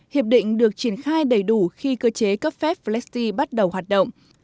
hiệp định được triển khai đầy đủ khi cơ chế cấp phép flestey bắt đầu hoạt động